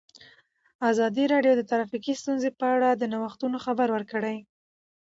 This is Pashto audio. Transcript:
ازادي راډیو د ټرافیکي ستونزې په اړه د نوښتونو خبر ورکړی.